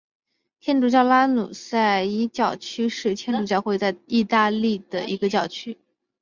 天主教拉努塞伊教区是天主教会在义大利的一个教区。